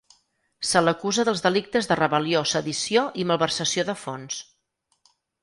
Se’l acusa dels delictes de rebel·lió, sedició, i malversació de fons.